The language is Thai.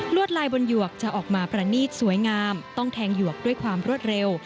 ลายบนหยวกจะออกมาประนีตสวยงามต้องแทงหยวกด้วยความรวดเร็ว